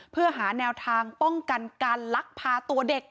เพื่อหาแนวทางป้องกันการลักพาตัวเด็ก